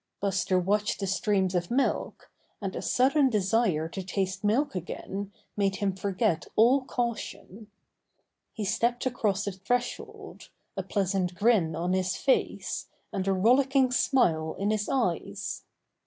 Buster watched the streams of milk, and a sudden desire to taste milk again made him forget all caution. He stepped across the threshold, a pleasant grin on his face, and a rollicking smile in his eyes.